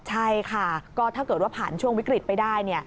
ใช่ค่ะก็ถ้าเกิดว่าผ่านช่วงวิกฤตไปได้